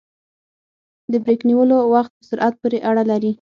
د بریک نیولو وخت په سرعت پورې اړه لري